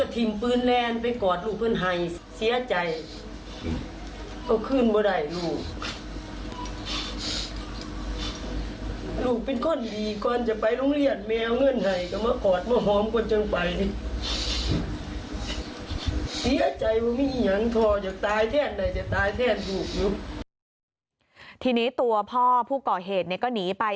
ทีนี้ตัวพ่อผู้ก่อเหตุเนี่ยก็หนีไป